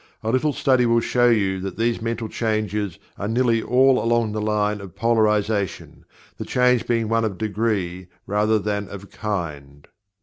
A little study will show you that these mental changes are nearly all along the line of Polarization, the change being one of degree rather than of kind.